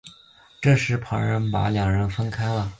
这时旁人把两人分开了。